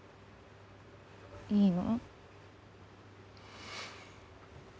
いいの？